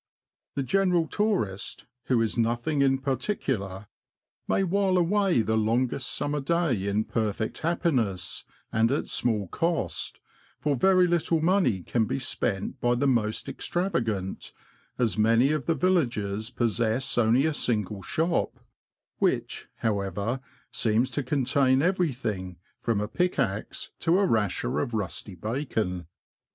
The general tourist, who is nothing in particular, may while away the longest summer day in perfect happiness, and at small cost, for very little money can be spent by the most extravagant, as many of the villages possess only a single shop, which, how ever, seems to contain everything, from a pickaxe to a rasher of rusty bacon.